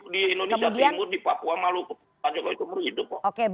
di indonesia timur di papua maluku pak jokowi seumur hidup kok